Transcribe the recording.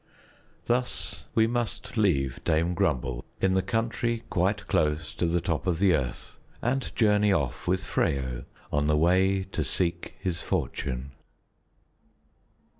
Thus we must leave Dame Grumble in the country quite close to the top of the earth, and journey off with Freyo on the way to seek his fortune.